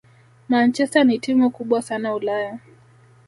Manchester ni timu kubwa sana Ulaya